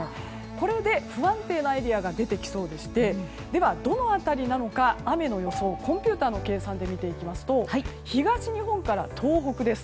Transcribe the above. これで不安定なエリアが出てきそうでしてではどの辺りなのか雨の予想をコンピューターの計算で見ていきますと東日本から東北です。